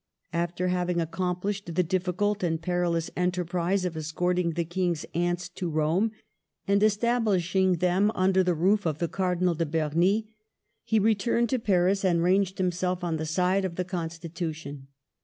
After having accomplished the difficult and perilous enterprise of escorting the King's aunts to Rome, and establishing them under the roof of the Cardinal de Bernis, he returned to Paris and ranged himself on the side of the Con stitution.